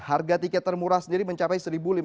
harga tiket termurah sendiri mencapai